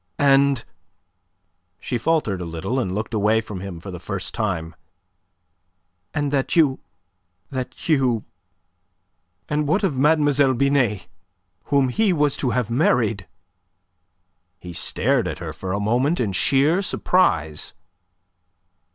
"And..." She faltered a little, and looked away from him for the first time. "And that you... that you... And what of Mademoiselle Binet, whom he was to have married?" He stared at her for a moment in sheer surprise.